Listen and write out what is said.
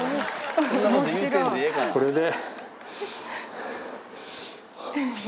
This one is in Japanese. これで。